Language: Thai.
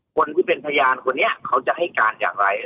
คนที่เป็นพยานคนนี้เขาจะให้การอย่างไร